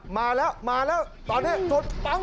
มาแล้วมาแล้วตอนนี้จดปั้ง